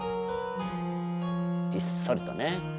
ひっそりとね。